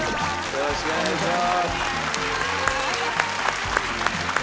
よろしくお願いします。